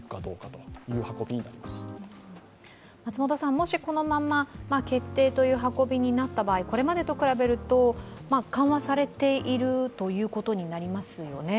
もしこのまま決定という運びになった場合、これまでと比べると緩和されているということになりますよね。